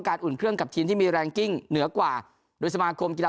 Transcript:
อุ่นเครื่องกับทีมที่มีแรงกิ้งเหนือกว่าโดยสมาคมกีฬา